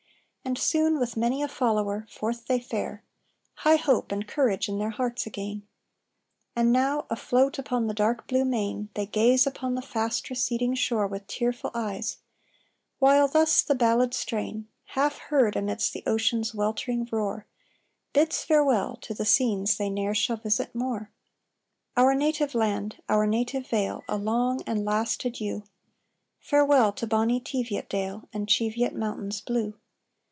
And soon with many a follower, forth they fare High hope and courage in their hearts again: And now, afloat upon the dark blue main, They gaze upon the fast receding shore With tearful eyes while thus the ballad strain, Half heard amidst the ocean's weltering roar, Bids farewell to the scenes they ne'er shall visit more: "Our native land our native vale A long and last adieu! Farewell to bonny Teviot dale, And Cheviot mountains blue!